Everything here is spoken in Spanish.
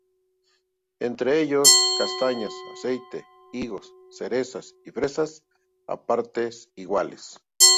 Entre ellos castañas, aceite, higos, cerezas y fresas a partes iguales.